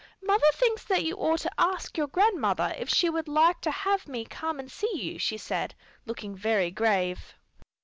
"Mother thinks that you ought to ask your grandmother if she would like to have me come and see you," she said, looking very grave.